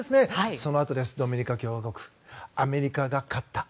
そのあと、ドミニカ共和国とアメリカが勝った。